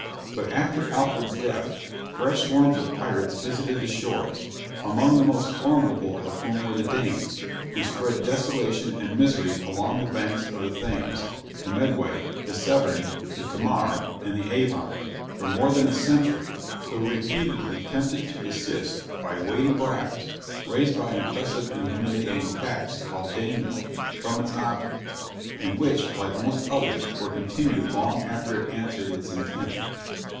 But after Alfred's death, fresh swarms of pirates visited the shores, among the most formidable of whom were the Danes, who spread desolation and misery along the banks of the Thames, the Medway, the Severn, the Tamar, and the Avon, for more than a century, though repeatedly tempted to desist by weighty bribes, raised by an oppressive and humiliating tax called Danegelt, from its object; and which, like most others, were continued long after it had answered its intent.